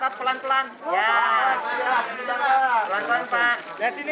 ayuh ternyata benar ini